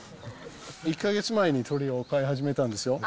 １か月前に鳥を飼い始めたんですよ。